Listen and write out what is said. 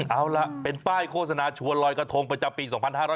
เอาล่ะเป็นป้ายโฆษณาชวนลอยกระทงประจำปี๒๕๕๙